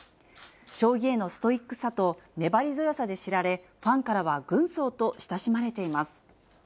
将棋へのストイックさと粘り強さで知られ、ファンからは軍曹と親しまれています。